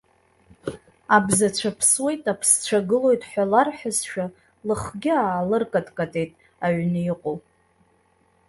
Абзацәа ԥсуеит, аԥсцәа гылоит ҳәа ларҳәазшәа, лыхгьы аалыркаткатеит аҩн иҟоу.